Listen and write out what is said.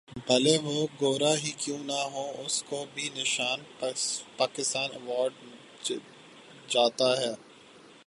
بھلے وہ گورا ہی کیوں نہ ہو اسکو بھی نشان پاکستان ایوارڈ جاتا ہے